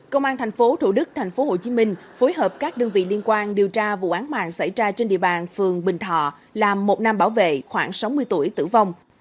công an tp thủ đức tp hcm phối hợp các đơn vị liên quan điều tra vụ án mạng xảy ra trên địa bàn phường bình thọ làm một nam bảo vệ khoảng sáu mươi tuổi tử vong